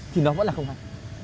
thì nó vẫn là không hay